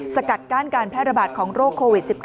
สกัดกั้นการแพร่ระบาดของโรคโควิด๑๙